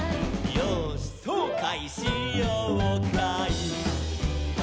「よーしそうかいしようかい」